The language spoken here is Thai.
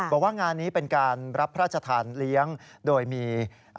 บอกว่างานนี้เป็นการรับพระราชทานเลี้ยงโดยมี